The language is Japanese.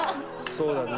「そうだな」